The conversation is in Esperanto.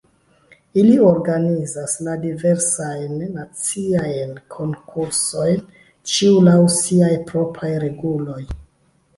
Ili organizas la diversajn naciajn konkursojn, ĉiu laŭ siaj propraj reguloj.